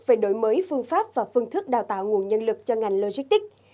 về đổi mới phương pháp và phương thức đào tạo nguồn nhân lực cho ngành logistics